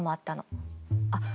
あっ